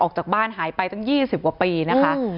ออกจากบ้านหายไปตั้ง๒๐กว่าปีนะคะ